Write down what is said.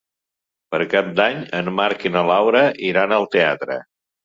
Per Cap d'Any en Marc i na Laura iran al teatre.